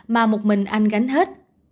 mà một mình anh gánh hết